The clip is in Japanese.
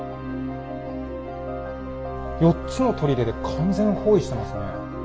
４つの砦で完全包囲してますね。